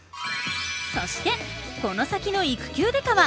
そしてこの先の「育休刑事」は。